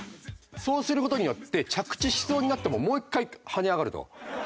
そうする事によって着地しそうになってももう１回跳ね上がると。